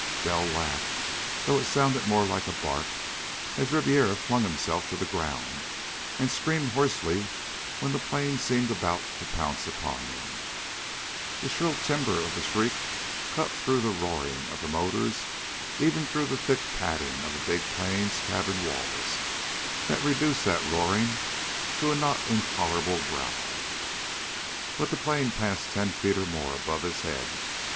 Bell laughed, though it sounded more like a bark, as Ribiera flung himself to the ground and screamed hoarsely when the plane seemed about to pounce upon him. The shrill timbre of the shriek cut through the roaring of the motors, even through the thick padding of the big plane's cabin walls that reduced that roaring to a not intolerable growl. But the plane passed ten feet or more above his head.